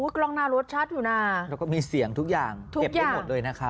กล้องหน้ารถชัดอยู่นะแล้วก็มีเสียงทุกอย่างเก็บได้หมดเลยนะคะ